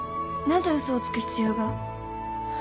なぜ嘘をつく必要が？